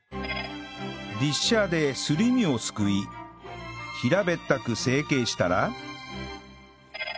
ディッシャーですり身をすくい平べったく成形したら